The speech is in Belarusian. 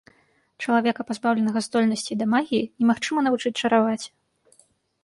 Чалавека, пазбаўленага здольнасцей да магіі, немагчыма навучыць чараваць.